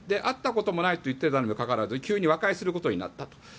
会ったこともないと言っていたにもかかわらず急に和解することになったと。